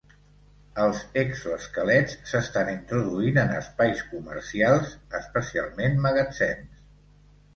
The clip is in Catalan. Els exo-esquelets s'estan introduint en espais comercials, especialment magatzems.